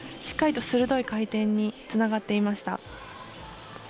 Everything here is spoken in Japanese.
しっかりと鋭い回転につながっていました。